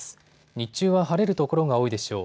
日中は晴れる所が多いでしょう。